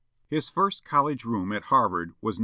His first college room at Harvard was No.